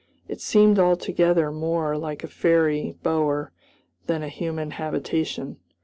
It seemed altogether more like a fairy bower than a human habitation.